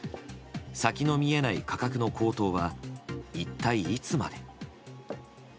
先の見えない価格の高騰は一体いつまで。